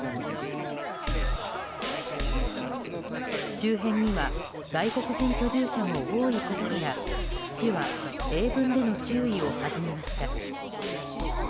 周辺には外国人居住者も多いことから市は英文での注意を始めました。